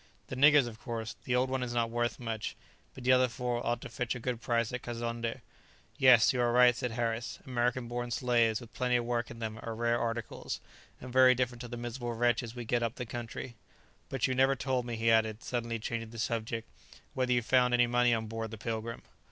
"The niggers, of course. The old one is not worth much, but the other four ought to fetch a good price at Kazonndé." "Yes, you are right," said Harris; "American born slaves, with plenty of work in them, are rare articles, and very different to the miserable wretches we get up the country. But you never told me," he added, suddenly changing the subject, "whether you found any money on board the 'Pilgrim'!"